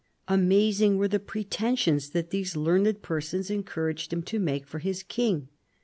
Amazing were the pretensions that these learned persons encouraged him to make for his King.